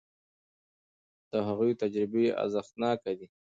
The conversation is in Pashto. د هغوی تجربې ارزښتناکه دي.